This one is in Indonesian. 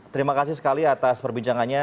terima kasih sekali atas perbincangannya